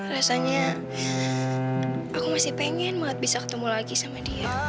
rasanya aku masih pengen banget bisa ketemu lagi sama dia